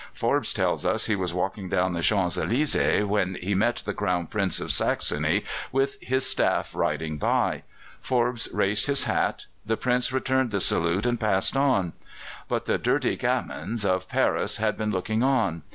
Forbes tells us he was walking down the Champs Elysées when he met the Crown Prince of Saxony with his staff riding by. Forbes raised his hat; the Prince returned the salute and passed on. But the dirty gamins of Paris had been looking on.